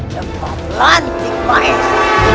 jempol lantik maiz